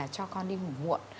cho con đi ngủ muộn